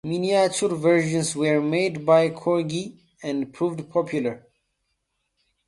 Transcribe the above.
Miniature versions were made by Corgi and proved popular.